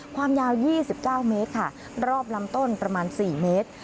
ความยาวยี่สิบเก้าเมตรค่ะรอบลำต้นประมาณสี่เมตร